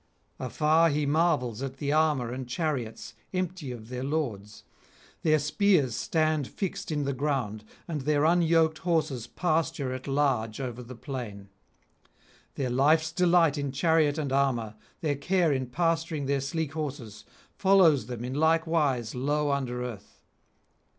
Afar he marvels at the armour and chariots empty of their lords: their spears stand fixed in the ground, and their unyoked horses pasture at large over the plain: their life's delight in chariot and armour, their care in pasturing their sleek horses, follows them in like wise low under earth.